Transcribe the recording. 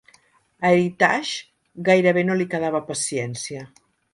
A Heritage gairebé no li quedava paciència.